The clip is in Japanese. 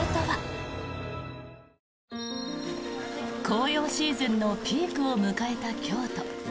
紅葉シーズンのピークを迎えた京都。